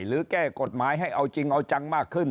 แก้กฎหมายให้เอาจริงเอาจังมากขึ้น